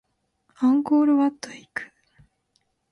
アンコールワットへ行く